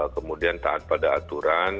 kemudian taat pada aturan